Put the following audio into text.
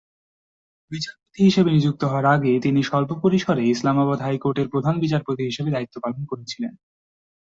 বিচারপতি হিসাবে নিযুক্ত হওয়ার আগে তিনি সল্প পরিসরে ইসলামাবাদ হাইকোর্টের প্রধান বিচারপতি হিসাবে দায়িত্ব পালন করেছিলেন।